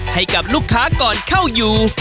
ให้กับลูกค้าก่อนเข้าอยู่